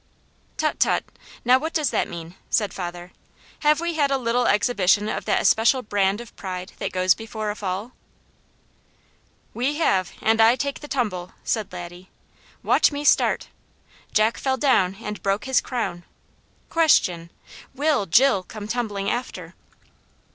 "Tut, tut! Now what does that mean?" said father. "Have we had a little exhibition of that especial brand of pride that goes before a fall?" "We have! and I take the tumble," said Laddie. "Watch me start! 'Jack fell down and broke his crown.' Question will 'Jill come tumbling after?'"